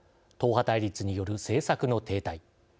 党派対立による政策の停滞。